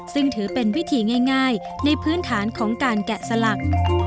ซึ่งถือเป็นวิธีง่ายในพื้นฐานของการแกะสลัก